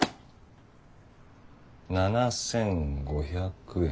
７５００円。